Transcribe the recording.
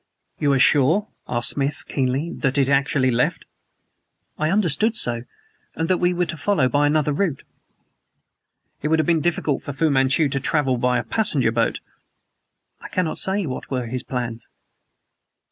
"You are sure," asked Smith keenly, "that it has actually left?" "I understood so, and that we were to follow by another route." "It would have been difficult for Fu Manchu to travel by a passenger boat?" "I cannot say what were his plans."